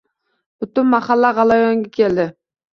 Butun mahalla g`alayonga keldi